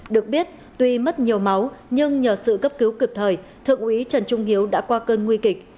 được biết tuy mất nhiều máu nhưng nhờ sự cấp cứu cực thời thượng úy trần trung hiếu đã qua cơn nguy kịch